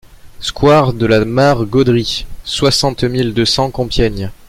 Square de la Mare-Gaudry, soixante mille deux cents Compiègne